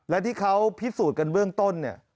และที่เขาพิสูจน์กันเบื้องต้นเนี่ย